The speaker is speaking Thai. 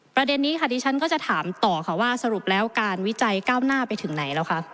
ประเด็นนี้ค่ะดิฉันก็จะถามต่อค่ะว่าสรุปแล้วการวิจัยก้าวหน้าไปถึงไหนแล้วคะ